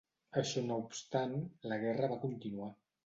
Això no obstant, la guerra va continuar.